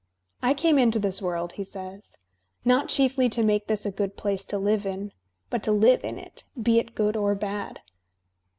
"I came into this world," he says, "not chiefly to make this a good place to live in, but to Kve in it, be it good or bad."